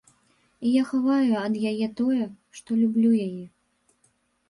І я хаваю ад яе тое, што люблю яе.